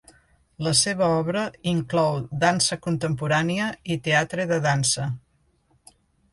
La seva obra inclou dansa contemporània i teatre de dansa.